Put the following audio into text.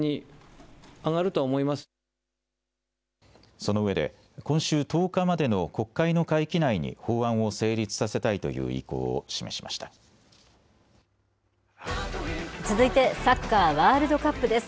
その上で、今週１０日までの国会の会期内に法案を成立させたいという意向を続いて、サッカーワールドカップです。